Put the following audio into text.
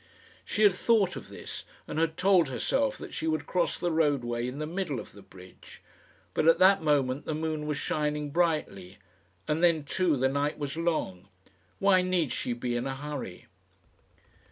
She had thought of this, and had told herself that she would cross the roadway in the middle of the bridge; but at that moment the moon was shining brightly: and then, too, the night was long. Why need she be in a hurry?